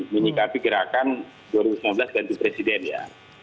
menyikapi gerakan dua ribu sembilan belas ganti presiden ya